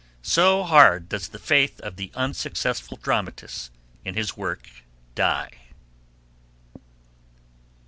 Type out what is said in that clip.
So hard does the faith of the unsuccessful dramatist in his work die.